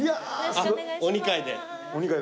お二階で？